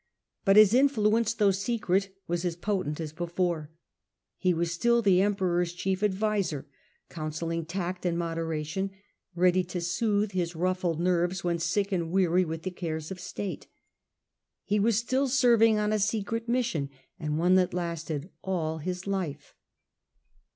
But his influence, though secret, was as potent .,, as before. He was still the Emperor's chief adviser chief adviscr, Counselling tact and modera of Augustus, ready to soothe his ruffled nerves when sick and weary with the cares of state. He was still serving on a secret mission, and one that lasted all his life.